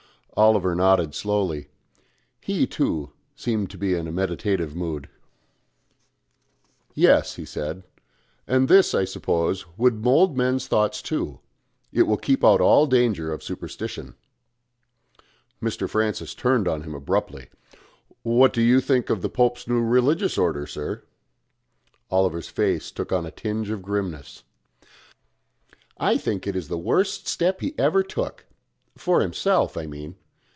Oliver nodded slowly. He, too, seemed to be in a meditative mood. "Yes," he said. "And this, I suppose, will mould men's thoughts too: it will keep out all danger of superstition." Mr. Francis turned on him abruptly. "What do you think of the Pope's new Religious Order, sir?" Oliver's face took on it a tinge of grimness. "I think it is the worst step he ever took for himself, I mean.